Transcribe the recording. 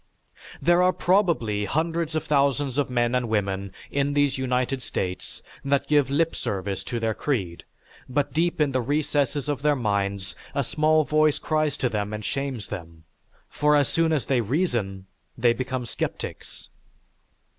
There are probably hundreds of thousands of men and women in these United States that give lip service to their creed, but deep in the recesses of their minds a small voice cries to them and shames them, for as soon as they reason, they become sceptics.